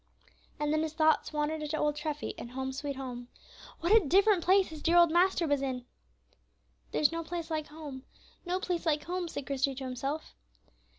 And then his thoughts wandered to old Treffy in "Home, sweet Home." What a different place his dear old master was in! "There's no place like home, no place like home," said Christie to himself.